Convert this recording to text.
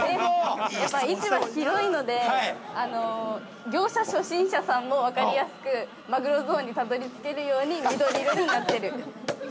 市場広いので業者初心者さんも分かりやすくマグロゾーンにたどり着けるように、緑色になっている。